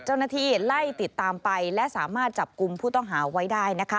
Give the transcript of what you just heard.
เจ้าหน้าที่ไล่ติดตามไปและสามารถจับกลุ่มผู้ต้องหาไว้ได้นะคะ